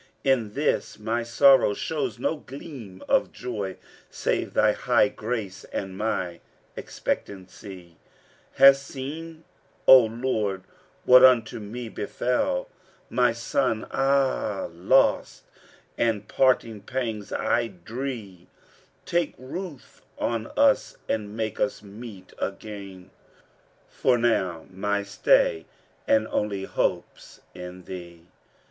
In this my sorrow shows no gleam of joy; * Save Thy high grace and my expectancy: Hast seen, O Lord, what unto me befel; * My son aye lost and parting pangs I dree: Take ruth on us and make us meet again; * For now my stay and only hope's in Thee!'